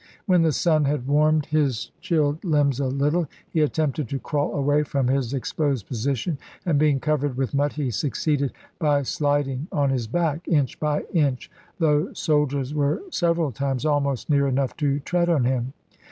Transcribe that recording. When the sun had warmed his chilled limbs a little, he attempted to crawl away from his exposed position, and, being covered with mud, he succeeded, by sliding on his back, inch by inch, though soldiers were several times almost near enough to tread on him.